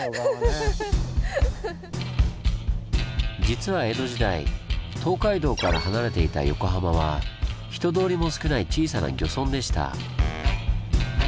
実は江戸時代東海道から離れていた横浜は人通りも少ない小さな漁村でした。